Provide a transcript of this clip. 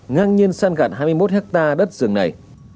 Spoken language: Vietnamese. ngang nhiên san gạt hai mươi một hectare đất rừng này